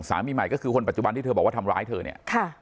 สามีใหม่ก็คือคนปัจจุบันที่เธอบอกว่าทำร้ายเธอเนี่ยค่ะ